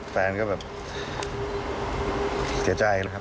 แฟนก็แบบเสียใจนะครับ